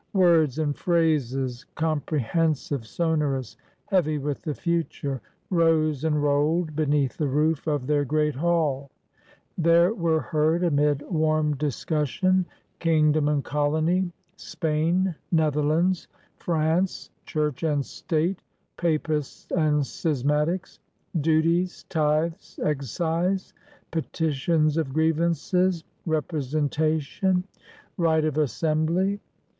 Words and phrases, comprehensive, sonorous, heavy with the future, rose and rolled beneath the roof of their great hall. There were heard amid warm discussion: King dom and Colony — Spain — Netherlands — Prance — Church and State — Papists and Schismatics — Duties, Tithes, Excise — Petitions of Griev ances — Representation — Right of Assembly.